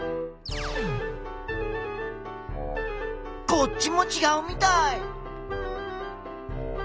こっちもちがうみたい！